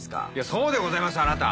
そうでございますよあなた。